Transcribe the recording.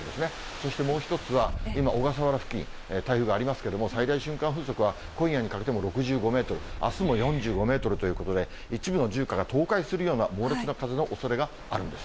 そしてもう１つは、今、小笠原付近、台風がありますけれども、最大瞬間風速は、今夜にかけても６５メートル、あすも４５メートルということで、一部の住家が倒壊するような猛烈な風のおそれがあるんです。